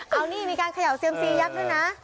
เอานี่มีการเขย่าเซียมซียักษ์ด้วยนะ